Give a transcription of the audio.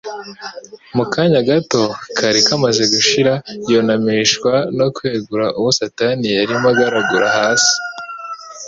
mu kanya gato kari kamaze gushira, yunamishwa no kwegura uwo Satani yarimo agaragura hasi,